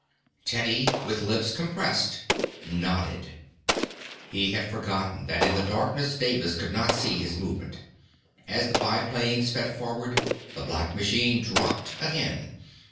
Teddy, with lips compressed, nodded. He had forgotten that in the darkness Davis could not see his movement. As the biplane sped forward the black machine dropped again.